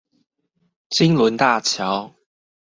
金崙大橋